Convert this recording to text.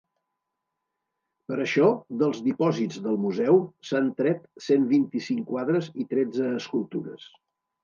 Per això, dels dipòsits del museu s’han tret cent vint-i-cinc quadres i tretze escultures.